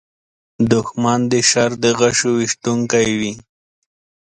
دښمن د شر د غشو ویشونکی وي